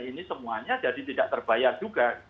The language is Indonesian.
ini semuanya jadi tidak terbayar juga